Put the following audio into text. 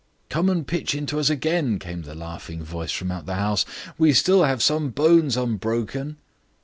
"Come and pitch into us again," came the laughing voice from out of the house. "We still have some bones unbroken."